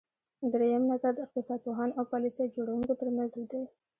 درېیم نظر د اقتصاد پوهانو او پالیسۍ جوړوونکو ترمنځ دود دی.